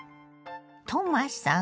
トマさん